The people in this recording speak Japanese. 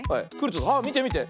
あみてみて。